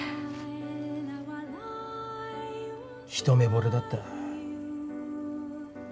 一目ぼれだった。